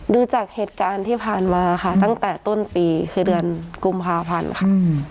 ดูจากเหตุการณ์ที่ผ่านมาค่ะตั้งแต่ต้นปีคือเดือนกุมภาพันธ์ค่ะ